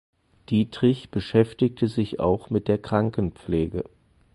Dietrich beschäftigte sich auch mit der Krankenpflege.